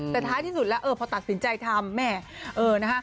แต่ท้ายที่สุดแล้วพอตัดสินใจทำ